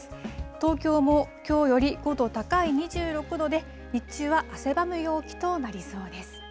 東京もきょうより５度高い２６度で、日中は汗ばむ陽気となりそうです。